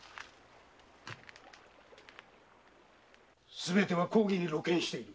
「すべては公儀に露見しておる」